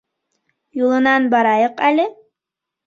Юлынан барайыҡ әле.